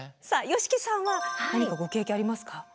さあ吉木さんは何かご経験ありますか？